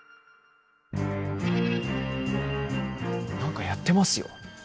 何かやってますよ。